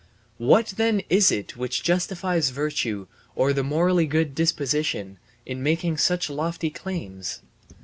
What then is it which justifies virtue or the morally good disposition, in making such lofty claims?